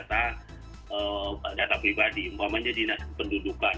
yang memang menguasai data pribadi umpamanya dinas kependudukan